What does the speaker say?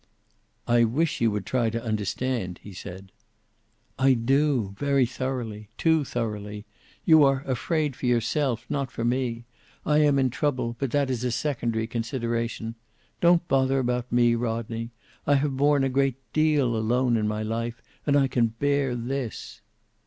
"I wish you would try to understand," he said. "I do, very thoroughly. Too thoroughly. You are afraid for yourself, not for me. I am in trouble, but that is a secondary consideration. Don't bother about me, Rodney. I have borne a great deal alone in my life, and I can bear this."